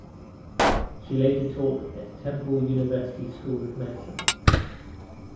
She later taught at Temple University School of Medicine.